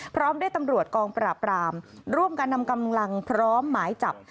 พร้อมด้วยตำรวจกองปราบรามร่วมกันนำกำลังพร้อมหมายจับ